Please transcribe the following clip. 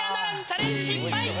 チャレンジ失敗！